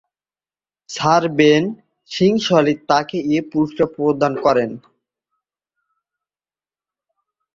Sir Ben Kingsley তাঁকে এ পুরস্কার প্রদান করেন।